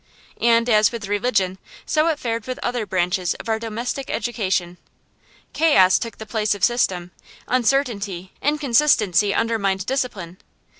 And as with religion, so it fared with other branches of our domestic education. Chaos took the place of system; uncertainty, inconsistency undermined discipline.